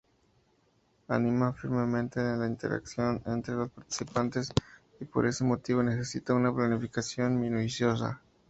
Anima firmemente la interacción entre los participantes, por este motivo necesita una planificación minuciosa.